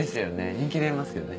人気出ますよね